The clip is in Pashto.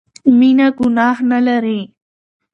مينه ګناه نه لري